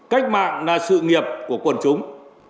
cách mạng là sự nghiệp của quần chúng